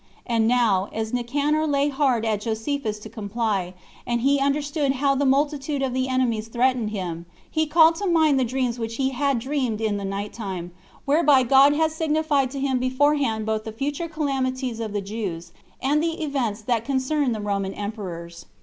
And now, as Nicanor lay hard at Josephus to comply, and he understood how the multitude of the enemies threatened him, he called to mind the dreams which he had dreamed in the night time, whereby God had signified to him beforehand both the future calamities of the Jews, and the events that concerned the Roman emperors.